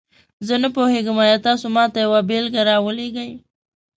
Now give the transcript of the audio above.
زه نه پوهیږم، آیا تاسو ماته یوه بیلګه راولیږئ؟